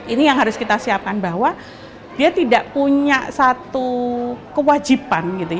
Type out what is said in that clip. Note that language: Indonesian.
ini yang harus kita siapkan bahwa dia tidak punya satu kewajiban